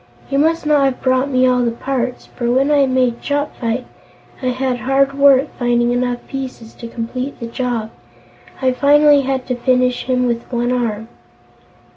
You must not have brought me all the parts, for when I made Chopfyt I had hard work finding enough pieces to complete the job. I finally had to finish him with one arm."